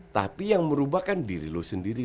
tapi yang merubahkan diri lo sendiri